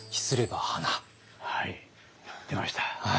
はい出ました。